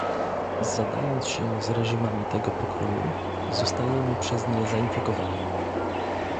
Zadając się z reżimami tego pokroju, zostajemy przez nie zainfekowani